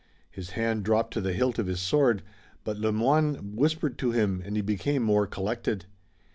His hand dropped to the hilt of his sword, but Le Moyne whispered to him and he became more collected.